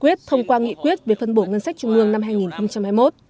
quốc hội đã thông qua nghị quyết về phân bổ ngân sách trung ương năm hai nghìn hai mươi một